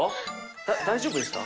だ大丈夫ですか？